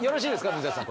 水谷さん